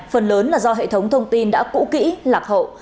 phần lớn là do hệ thống thông tin đã cũ kỹ lạc hậu